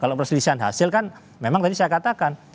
kalau perselisihan hasil kan memang tadi saya katakan